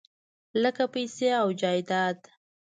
لکه پیسې او جایداد .